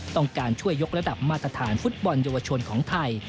ต้องการช่วยยกระดับมาตรฐานฟุตบอลเยาวชนของไทย